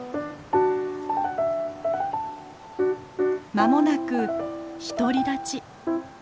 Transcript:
間もなく独り立ち。